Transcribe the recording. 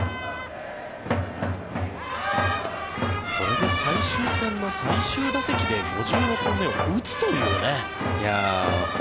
それで最終戦の最終打席で５６本目を打つというね。